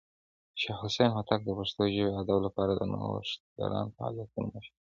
شاه حسين هوتک د پښتو ژبې او ادب لپاره د نوښتګران فعالیتونو مشر و.